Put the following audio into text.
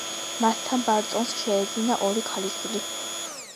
მასთან ბარტონს შეეძინა ორი ქალიშვილი.